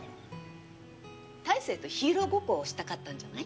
大成とヒーローごっこをしたかったんじゃない？